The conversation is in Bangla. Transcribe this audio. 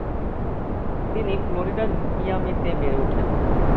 তিনি ফ্লোরিডার মিয়ামিতে বেড়ে ওঠেন।